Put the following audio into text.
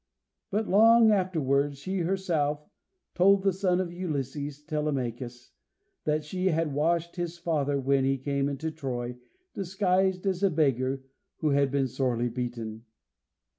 But long afterwards she herself told the son of Ulysses, Telemachus, that she had washed his father when he came into Troy disguised as a beggar who had been sorely beaten.